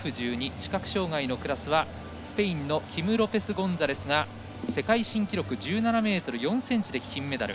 視覚障がいのクラスはスペインのキム・ロペスゴンサレスが世界新記録１７ｍ４ｃｍで金メダル。